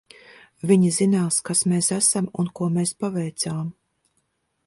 Viņi zinās, kas mēs esam un ko mēs paveicām.